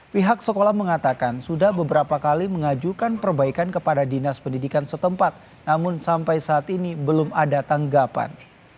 pihak sekolah mengatakan sudah beberapa kali mengajukan perbaikan kepada dinas pendidikan setempat namun sampai saat ini belum ada tanggapan